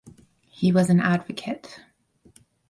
He was an advocate.